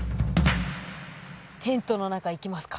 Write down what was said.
テントの中行きますか。